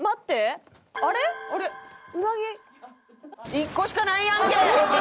１個しかないやんけ！